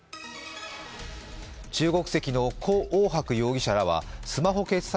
中国籍の胡奥博容疑者らはスマホ決済